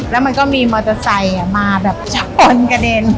แล้วมันก็มีมอเตอร์ไซค์มาแบบชนกระเด็น